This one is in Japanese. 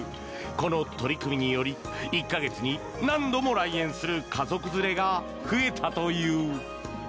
この取り組みにより１か月に何度も来園する家族連れが増えたという。